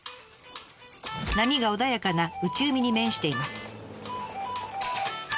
波が穏やかな内海に面しています。